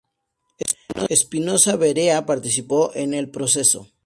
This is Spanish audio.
Espinosa Berea participó en el proceso.